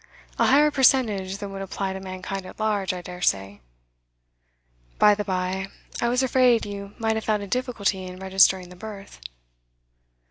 A higher percentage than would apply to mankind at large, I dare say. By the bye, I was afraid you might have found a difficulty in registering the birth.